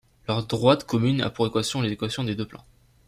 Leur droite commune a pour équation les équations des deux plans.